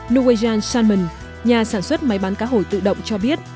norwegian salmon nhà sản xuất máy bán cá hồi tự động cho biết